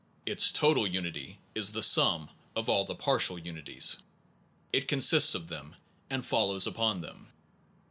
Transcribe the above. Its total unity is the sum of all the partial unities. It consists of them and follows upon them.